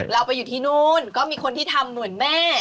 เราไปอยู่ที่นู่นก็มีคนที่ทำเหมือนแม่